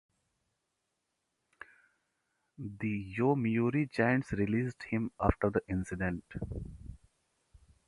The Yomiuri Giants released him after the incident.